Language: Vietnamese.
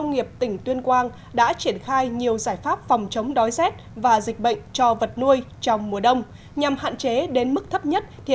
nhiệm kỳ hai nghìn một mươi bảy hai nghìn hai mươi hai đại hội đã công bố kết quả bầu ban chấp hành